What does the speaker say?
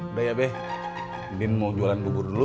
udah ya be din mau jualan bubur dulu